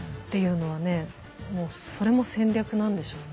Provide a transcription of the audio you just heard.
もうそれも戦略なんでしょうね。